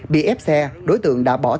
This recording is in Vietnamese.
đi ép xe đối tượng đã bỏ thêm